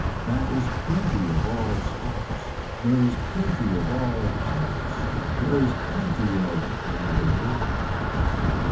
That is plenty of all spots. There is plenty of all pints. There is plenty of another word.